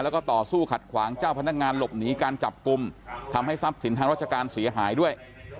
แล้วก็ต่อสู้ขัดขวางเจ้าพนักงานหลบหนีการจับกลุ่มทำให้ทรัพย์สินทางราชการเสียหายด้วย